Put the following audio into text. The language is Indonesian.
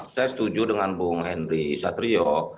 saya setuju dengan bung henry satrio